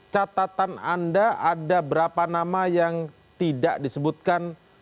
catatan anda ada berapa nama yang tidak disebutkan